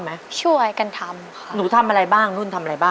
พร้อมไหม